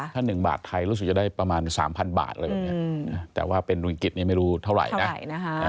ถ้า๑บาทไทยรู้สึกจะได้ประมาณ๓๐๐บาทอะไรแบบนี้แต่ว่าเป็นรุงกิจนี่ไม่รู้เท่าไหร่นะ